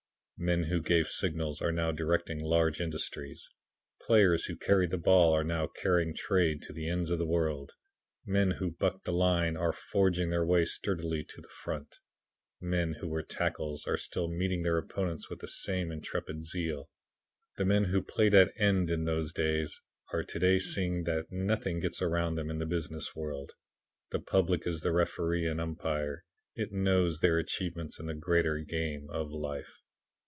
Men who gave signals, are now directing large industries. Players who carried the ball, are now carrying trade to the ends of the world. Men who bucked the line, are forging their way sturdily to the front. Men who were tackles, are still meeting their opponents with the same intrepid zeal. The men who played at end in those days, are to day seeing that nothing gets around them in the business world. The public is the referee and umpire. It knows their achievements in the greater game of life.